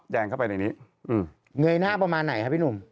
เหนื่อยหน้าประมาณไหนคะพี่หนุ่ม